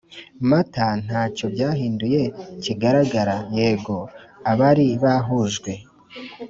Mata nta cyo byahinduye kigaragara Yego abari bahujwe